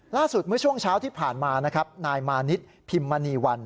ล่าสุดเมื่อช่วงเช้าที่ผ่านมานายมานิดพิมมณีวัน